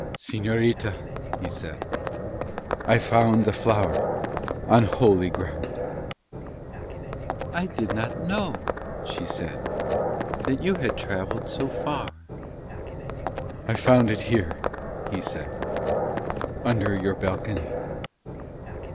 "Señorita," he said, "I found the flower on holy ground." "I did not know," she said, "that you had travelled so far." "I found it here," he said, "under your balcony."